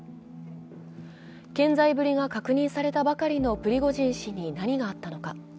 健在ぶりが確認されたばかりのプリゴジン氏に何があったのか。